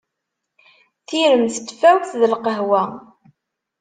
Tirmt n tfawt d lqhwa.